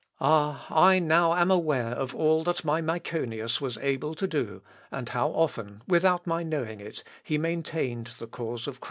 Ah! I now am aware of all that my Myconius was able to do, and how often, without my knowing it, he maintained the cause of Christ."